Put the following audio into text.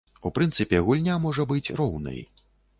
У прынцыпе, гульня можа быць роўнай.